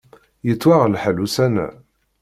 Yettwaɣ lḥal ussan-a.